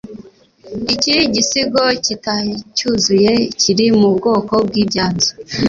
Iki gisigo kitacyuzuye, kiri mu bwoko bw'" Ibyanzu ".